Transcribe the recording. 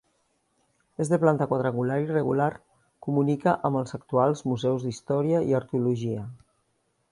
És de planta quadrangular irregular, comunica amb els actuals museus d'història i arqueologia.